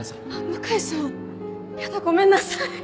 向井さんヤダごめんなさい。